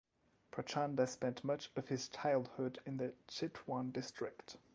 Prachanda spent much of his childhood in the Chitwan District.